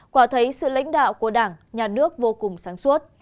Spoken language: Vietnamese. quả thấy sự lãnh đạo của đảng nhà nước vô cùng sáng suốt